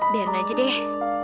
biarin aja deh